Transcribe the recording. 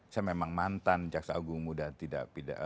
saya memang mantan jaksa agung muda